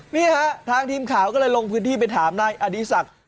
นี่ฮะทางทีมข่าวก็เลยลงพื้นที่ไปถามนายอดีศักดิ์